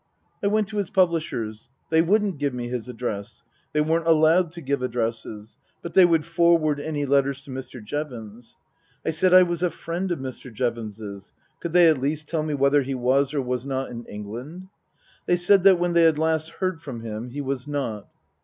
I went to his publishers. They wouldn't give me his address. They weren't allowed to give addresses, but they would forward any letters to Mr. Jevons. I said I was a friend of Mr. Jevons's. Could they at least tell me whether he was or was not in England ? They said that when they had last heard from him he was not.